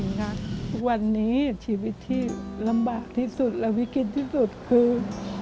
ค่ะทุกวันนี้ชีวิตที่ลำบากที่สุดและวิกฤตที่สุดคือ